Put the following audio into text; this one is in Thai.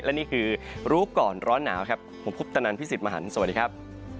และนี่คือรู้ก่อนร้อนหนาวครับ